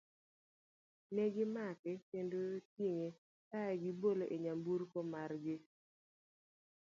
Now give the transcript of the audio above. Ne gimake kendo tinge kae to gibole e nyamburko mar gi.